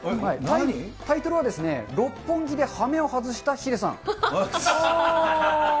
タイトルは、六本木ではめを外したヒデさん。